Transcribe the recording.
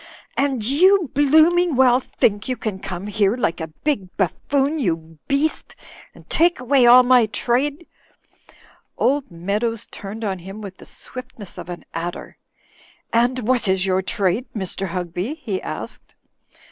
*'And you blooming well think you can come here like a big buffoon, jrou beast, and take away all my trade—" Old Meadows turned on him with the swiftness of an adder. "And what is yoiu trade, Mr. Hugby ?" he asked.